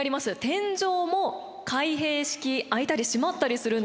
天井も開閉式開いたり閉まったりするんですよ。